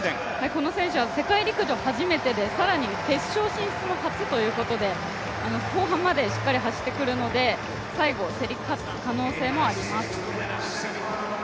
この選手は世界陸上は初めてで更に決勝進出も初ということで後半までしっかり走ってくるので、最後競り勝つ可能性もあります。